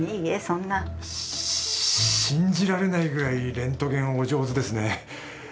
そんなし信じられないぐらいレントゲンお上手ですね